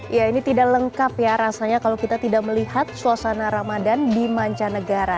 ya ini tidak lengkap ya rasanya kalau kita tidak melihat suasana ramadan di mancanegara